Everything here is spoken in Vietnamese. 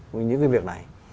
với những cái việc này